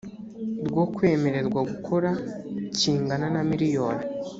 rwo kwemererwa gukora kingana na miriyoni